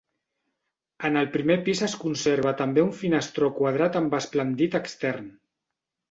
En el primer pis es conserva també un finestró quadrat amb esplandit extern.